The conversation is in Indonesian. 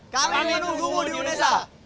kami penuh kumuh di unesa